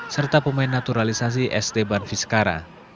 serta pemain naturalisasi steban vizcara